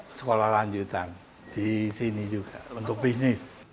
untuk sekolah lanjutan di sini juga untuk bisnis